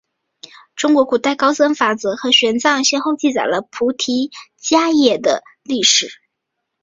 中国古代高僧法显和玄奘先后记载了菩提伽耶的历史。